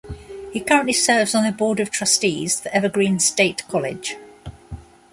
He currently serves on the Board of Trustees for Evergreen State College.